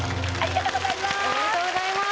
ありがとうございます！